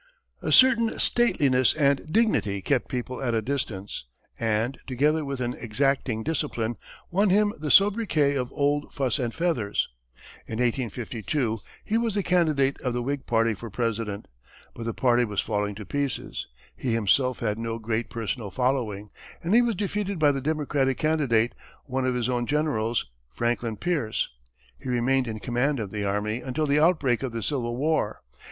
A certain stateliness and dignity kept people at a distance, and, together with an exacting discipline, won him the sobriquet of "Old Fuss and Feathers." In 1852, he was the candidate of the Whig party for President; but the party was falling to pieces, he himself had no great personal following, and he was defeated by the Democratic candidate, one of his own generals, Franklin Pierce. He remained in command of the army until the outbreak of the Civil War.